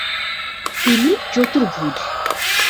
তিনি চতুর্ভূজ।